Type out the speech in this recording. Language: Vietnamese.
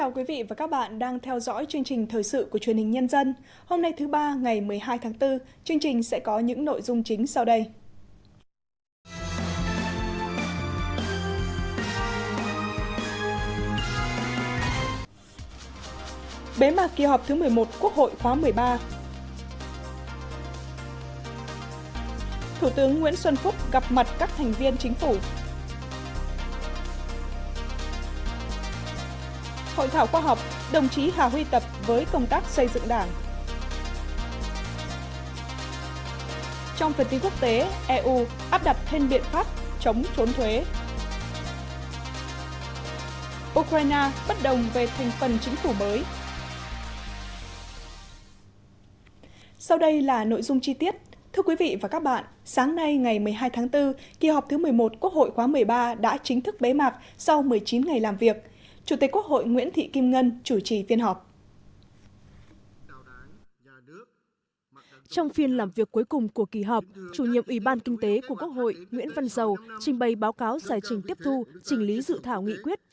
các bạn hãy đăng ký kênh để ủng hộ kênh của chúng mình nhé